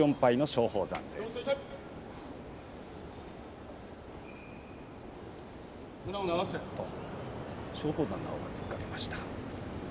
松鳳山が突っかけました。